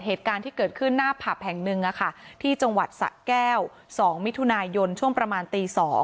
เหตุการณ์ที่เกิดขึ้นหน้าผับแห่งหนึ่งที่จังหวัดสะแก้ว๒มิถุนายนช่วงประมาณตี๒